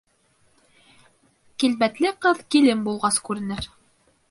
Килбәтле ҡыҙ килен булғас күренер.